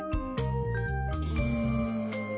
うん。